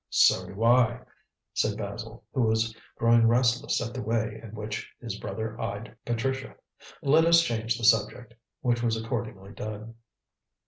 "So do I," said Basil, who was growing restless at the way in which his brother eyed Patricia. "Let us change the subject," which was accordingly done.